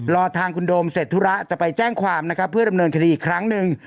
รอทางคุณโดมเสร็จธุระจะไปแจ้งความนะครับเพื่อดำเนินคดีอีกครั้งหนึ่ง